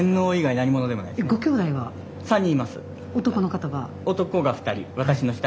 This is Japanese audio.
男の方が。